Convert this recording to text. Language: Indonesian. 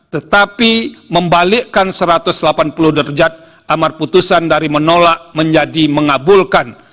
tetapi membalikkan satu ratus delapan puluh derajat amar putusan dari menolak menjadi mengabulkan